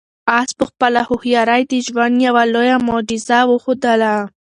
آس په خپله هوښیارۍ د ژوند یوه لویه معجزه وښودله.